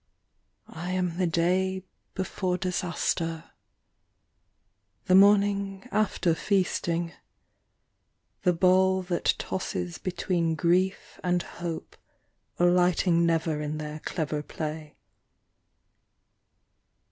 I am the day before disaster, The morning after feasting, The ball that tosses between Grief and Hope, Alighting never in their clever play.